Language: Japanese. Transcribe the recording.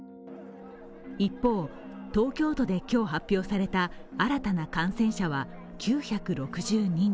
一方、東京都で今日発表された新たな感染者は９６２人。